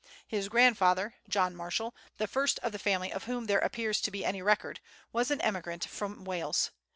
His grandfather, John Marshall, the first of the family of whom there appears to be any record, was an emigrant from Wales.